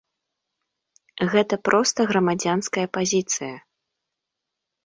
Гэта проста грамадзянская пазіцыя.